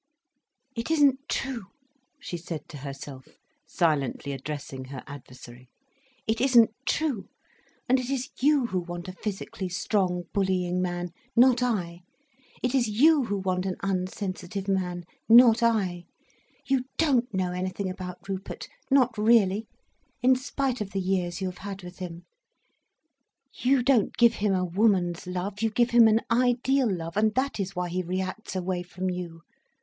"It isn't true," she said to herself, silently addressing her adversary. "It isn't true. And it is you who want a physically strong, bullying man, not I. It is you who want an unsensitive man, not I. You don't know anything about Rupert, not really, in spite of the years you have had with him. You don't give him a woman's love, you give him an ideal love, and that is why he reacts away from you.